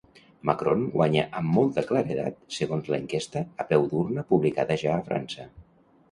Macron guanya amb molta claredat, segons l'enquesta a peu d'urna publicada ja a França.